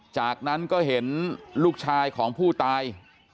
จากนั้นก็เห็นลูกชายของผู้ตาย